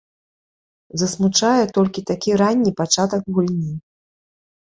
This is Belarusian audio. Засмучае толькі такі ранні пачатак гульні.